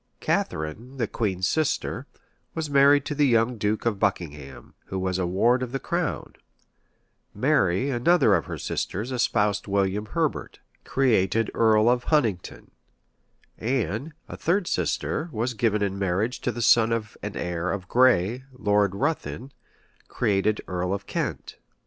Catharine, the queen's sister, was married to the young duke of Buckingham, who was a ward of the crown:[] Mary, another of her sisters espoused William Herbert, created earl of Huntingdon: Anne, a third sister, was given in marriage to the son and heir of Gray, Lord Ruthyn, created earl of Kent.